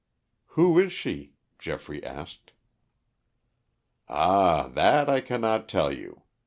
"Who is she?" Geoffrey asked. "Ah, that I cannot tell you.